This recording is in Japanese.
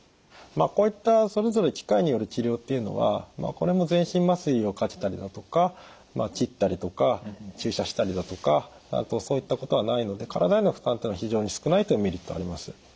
こういったそれぞれ機械による治療っていうのはこれも全身麻酔をかけたりだとか切ったりとか注射したりだとかそういったことはないので体への負担というのは非常に少ないというメリットはあります。